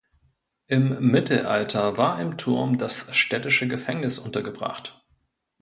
Im Mittelalter war im Turm das städtische Gefängnis untergebracht.